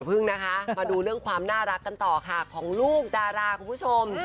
พึ่งนะคะมาดูเรื่องความน่ารักกันต่อค่ะของลูกดาราคุณผู้ชม